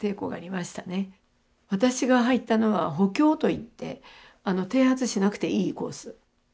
私が入ったのは「補教」といって剃髪しなくていいコース。